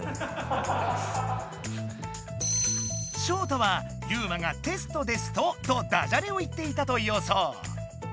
ショウタはユウマが「テストですと⁉」とダジャレを言っていたとよそう。